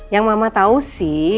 yang mama tau sih